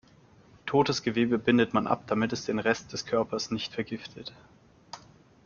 Totes Gewebe bindet man ab, damit es den Rest der Körpers nicht vergiftet.